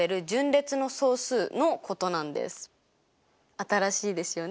新しいですよね？